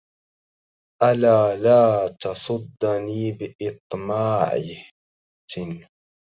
ألا لا تصدني بإطماعة